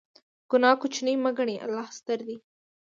ګناه کوچنۍ مه ګڼئ، الله ستر دی.